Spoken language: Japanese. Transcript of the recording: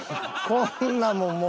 こんなもんもう。